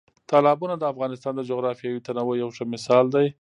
تالابونه د افغانستان د جغرافیوي تنوع یو ښه مثال دی.